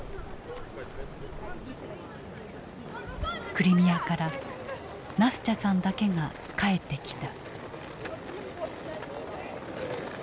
クリミアからナスチャさんだけが帰ってきた。